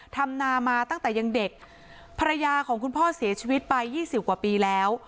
ทำนามาตั้งแต่ยังเด็กภรรยาของคุณพ่อเสียชีวิตไป๒๐กว่าปีแล้ว